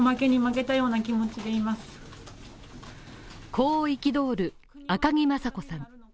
こう憤る赤木雅子さん